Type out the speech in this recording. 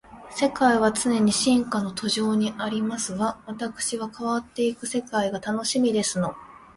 世界は常に進化の途上にありますわ。わたくしは変わっていく世界が楽しみですの